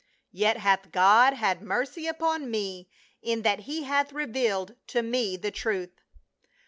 Yet hath God had mercy upon me in that he hath revealed to me the truth."